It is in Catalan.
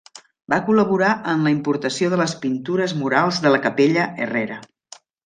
Va col·laborar en la importació de les Pintures murals de la capella Herrera.